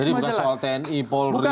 jadi bukan soal tni polri